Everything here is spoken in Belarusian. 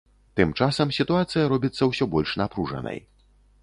Тым часам сітуацыя робіцца ўсё больш напружанай.